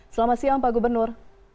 selamat siang pak gubernur